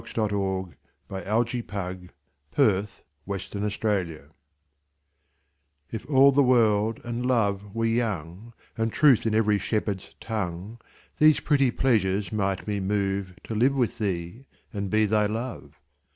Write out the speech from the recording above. Her Reply (Written by Sir Walter Raleigh) IF all the world and love were young, And truth in every shepherd's tongue, These pretty pleasures might me moveTo live with thee and be thy Love.